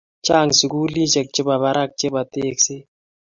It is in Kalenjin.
Chang sukulishek chepo barak chepo tekset